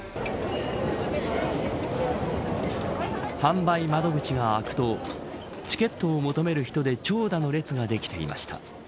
販売窓口が開くとチケットを求める人で長蛇の列ができていました。